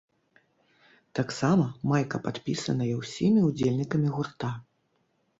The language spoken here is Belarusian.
Таксама майка падпісаная ўсімі ўдзельнікамі гурта.